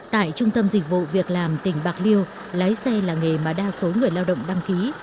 tại trung tâm dịch vụ việc làm tỉnh bạc liêu lái xe là nghề mà đa số người lao động đăng ký